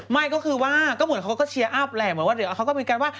ไม่ก็คือว่าเขาก็แบบเวลาเขาก็เชียร์อัพแหลดเหมือนว่าเดี๋ยวเขาก็เลยพูดว่า